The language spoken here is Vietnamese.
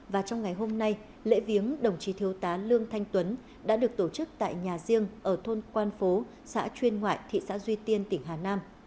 và trong ngày hôm nay lễ viếng đồng chí thiếu tá lương thanh tuấn đã được tổ chức tại nhà riêng ở thôn quan phố xã chuyên ngoại thị xã duy tiên tỉnh hà nam